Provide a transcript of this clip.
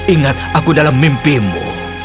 ingat aku dalam mimpimu